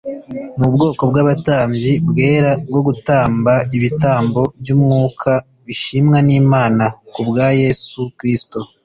n’ubwoko bw’abatambyi bwera bwo gutamba ibitambo by’umwuka bishimwa n’imana ku bwa yesu kristo